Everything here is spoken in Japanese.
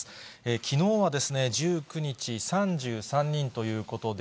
きのうは１９日、３３人ということで、